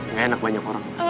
ngeenak banyak orang